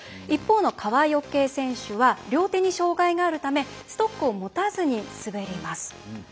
一方の川除選手は両手に障がいがあるためストックを持たずに滑ります。